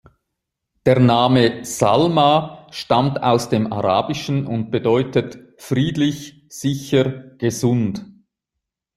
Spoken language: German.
Der Name Salma stammt aus dem Arabischen und bedeutet „friedlich, sicher, gesund“.